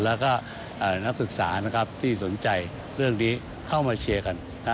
และนักศึกษาที่สนใจเรื่องนี้เข้ามาเชียร์กัน